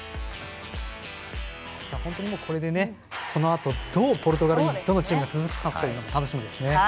本当にもうこれでこのあと、どうポルトガルにチームが続くか楽しみですよね。